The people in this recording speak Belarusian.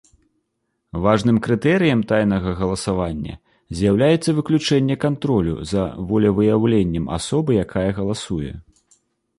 Важным крытэрыем тайнага галасавання з'яўляецца выключэнне кантролю за волевыяўленнем асобы, якая галасуе.